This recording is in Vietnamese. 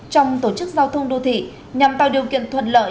trong tổ chức giao thông đô thị nhằm tạo điều kiện thuận lợi